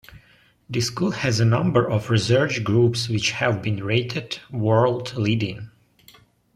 The School has a number of research groups which have been rated 'World Leading'.